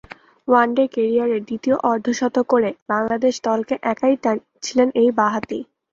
One day ক্যারিয়ারের দ্বিতীয় অর্ধশত করে বাংলাদেশ দলকে একাই টানছিলেন এই বাঁহাতি।